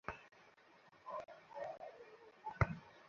প্রতিটি রোগের ক্ষেত্রে সচেতন হলে এসব রোগ থেকে মুক্ত থাকতে পারব।